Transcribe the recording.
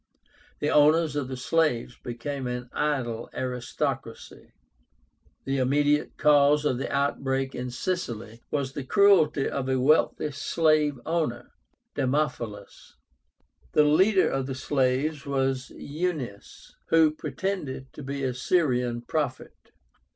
The owners of the slaves became an idle aristocracy. The immediate cause of the outbreak in Sicily was the cruelty of a wealthy slave owner, Damophilus. The leader of the slaves was EUNUS, who pretended to be a Syrian prophet.